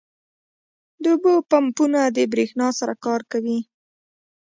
• د اوبو پمپونه د برېښنا سره کار کوي.